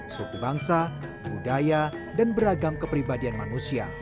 suku bangsa budaya dan beragam kepribadian manusia